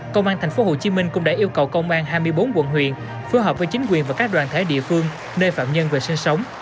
công an tp hcm cũng đã yêu cầu công an hai mươi bốn quận huyện phối hợp với chính quyền và các đoàn thể địa phương nơi phạm nhân về sinh sống